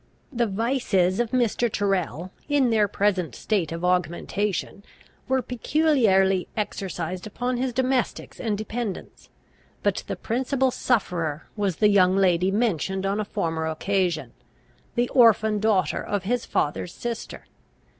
The vices of Mr. Tyrrel, in their present state of augmentation, were peculiarly exercised upon his domestics and dependents. But the principal sufferer was the young lady mentioned on a former occasion, the orphan daughter of his father's sister.